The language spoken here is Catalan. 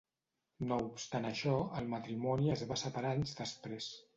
No obstant això, el matrimoni es va separar anys després.